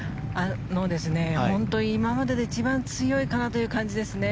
今までで一番強いかなという感じですね。